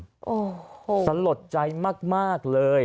ดีสะลดใจมากเลย